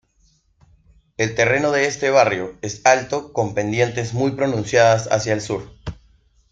El terreno de este barrio es alto con pendientes muy pronunciadas hacia el sur.